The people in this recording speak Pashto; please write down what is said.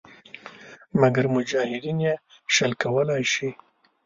مګر مجاهدین یې شل کولای شي.